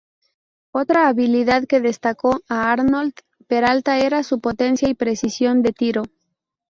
Otra habilidad que destacó a Arnold Peralta era su potencia y precisión de tiro.